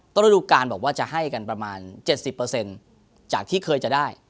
ระดูการบอกว่าจะให้กันประมาณ๗๐จากที่เคยจะได้